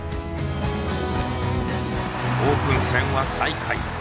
オープン戦は最下位。